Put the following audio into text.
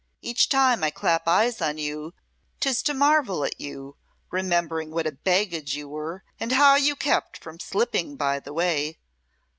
"Each time I clap eyes on you 'tis to marvel at you, remembering what a baggage you were, and how you kept from slipping by the way.